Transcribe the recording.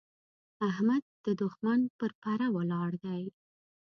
احمد د دوښمن پر پره ولاړ دی.